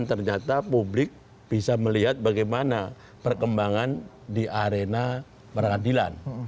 karena publik bisa melihat bagaimana perkembangan di arena peradilan